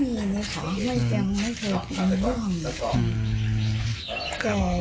ไม่จำไม่เคยมีเรื่อง